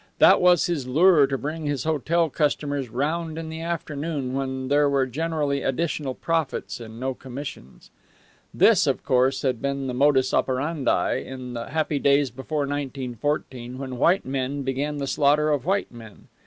That was his lure to bring his hotel customers round in the afternoon, when there were generally additional profits and no commissions. This, of course, had been the modus operandi in the happy days before 1914, when white men began the slaughter of white men.